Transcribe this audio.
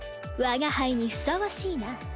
我が輩にふさわしいな。